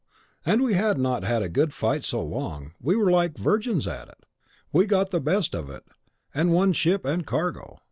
And we had not had a good fight so long, we were quite like virgins at it! We got the best of it, and won ship and cargo.